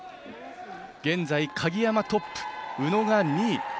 現在、鍵山トップ宇野が２位。